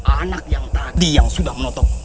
anak yang tadi yang sudah menutup